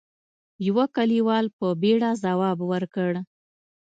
يوه کليوال په بيړه ځواب ورکړ: